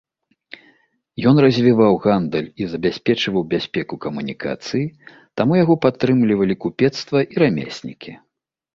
Ён развіваў гандаль і забяспечваў бяспеку камунікацый, таму яго падтрымлівалі купецтва і рамеснікі.